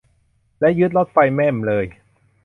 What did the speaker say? และยึดรถไฟแม่มเลย